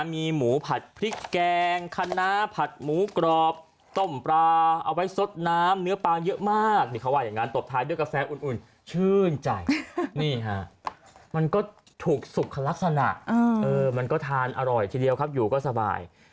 มันก็ถูกสุขลักษณะเออมันก็ทานอร่อยทีเดียวครับอยู่ก็สบาย